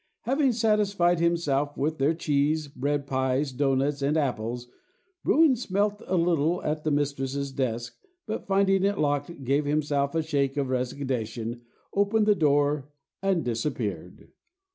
Having satisfied himself with their cheese, bread, pies, dough nuts, and apples, Bruin smelt a little at the mistress's desk, but finding it locked, gave himself a shake of resignation, opened the door and disappeared.